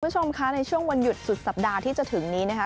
คุณผู้ชมคะในช่วงวันหยุดสุดสัปดาห์ที่จะถึงนี้นะคะ